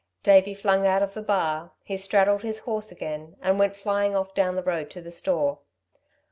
Davey flung out of the bar. He straddled his horse again and went flying off down the road to the store.